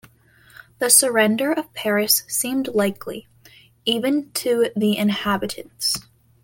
The surrender of Paris seemed likely, even to the inhabitants.